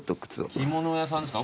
着物屋さんですか？